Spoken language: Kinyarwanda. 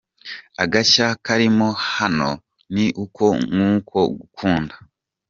Agashya karimo hano ni uko nk’uko gukunda.